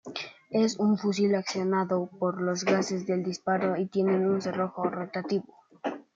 Es un fusil accionado por los gases del disparo y tiene un cerrojo rotativo.